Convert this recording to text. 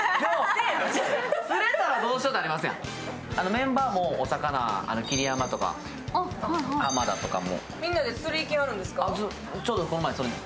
メンバーもお魚、桐山とか濱田とかも。